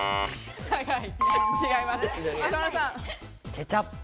ケチャップ。